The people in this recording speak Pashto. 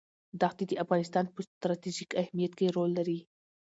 دښتې د افغانستان په ستراتیژیک اهمیت کې رول لري.